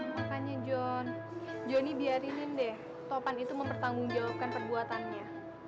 makanya jon jonny biarinin deh topan itu mempertanggung jawabkan perbuatannya